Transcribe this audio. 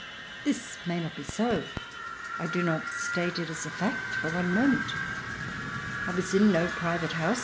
This may not be so — I do not state it as a fact for one moment. I was in no private house of CH.